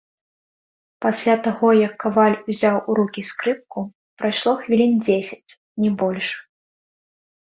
Пасля таго як каваль узяў у рукі скрыпку, прайшло хвілін дзесяць, не больш.